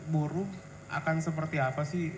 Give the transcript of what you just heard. buruh akan seperti apa sih